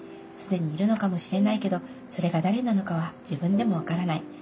既にいるのかもしれないけどそれが誰なのかは自分でもわからない。